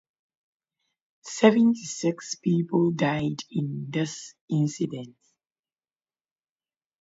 Seventy-six people died in this incident.